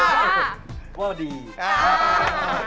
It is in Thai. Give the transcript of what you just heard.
วันนี้เราไม่ได้มาแค่นี้นะครับ